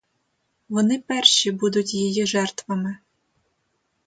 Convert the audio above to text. Вони перші будуть її жертвами.